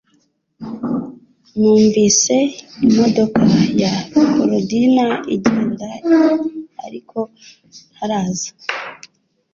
Numvise imodoka ya Korodina igenda ariko ntaraza